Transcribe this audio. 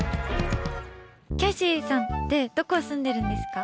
キャシーさんってどこ住んでるんですか？